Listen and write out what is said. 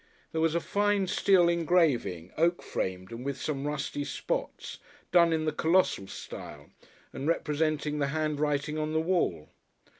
There was a fine steel engraving, oak framed and with some rusty spots, done in the Colossal style and representing the Handwriting on the Wall.